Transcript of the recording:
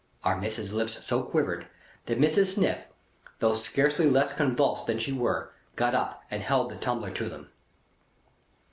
Our Missis's lips so quivered, that Mrs. Sniff, though scarcely less convulsed than she were, got up and held the tumbler to them.